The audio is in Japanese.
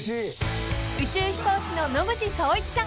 ［宇宙飛行士の野口聡一さん］